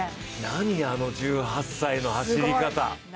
何、あの１８歳の走り方。